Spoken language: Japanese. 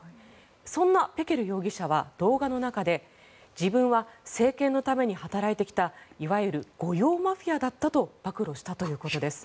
そんなペケル容疑者は動画の中で自分は政権のために働いてきたいわゆる御用マフィアだったと暴露したということです。